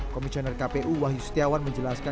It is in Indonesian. komisioner kpu wahyu setiawan menjelaskan